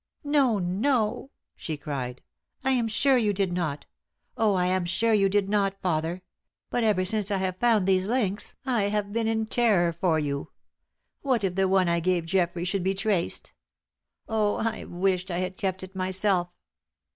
"No, no!" she cried. "I am sure you did not. Oh, I am sure you did not, father. But ever since I have found these links I have been in terror for you. What if the one I gave Geoffrey should be traced? Oh, I wished I had kept it myself?"